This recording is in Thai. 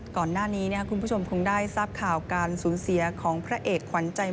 ตราบที่ดาวเต็มฟ้าเธอยังคงวนเวียนในหัวใจ